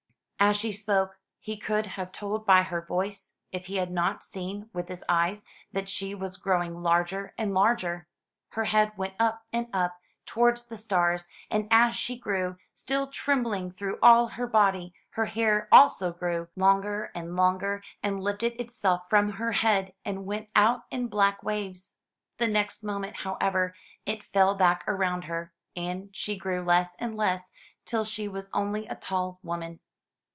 As she spoke he could have told by her voice, if he had not seen with his eyes, that she was growing larger and larger. Her head went up and up towards the stars; and as she grew, still trembling through all her body, her hair also grew — longer and longer, and lifted itself from her head, and went out in black waves. The next moment, however, it fell back around her, and she grew less and less till she was only a tall woman.